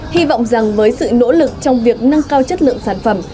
hy vọng rằng với sự nỗ lực trong việc nâng cao chất lượng sản phẩm